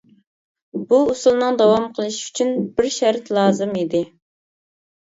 بۇ ئۇسۇلنىڭ داۋام قىلىشى ئۈچۈن بىر شەرت لازىم ئىدى.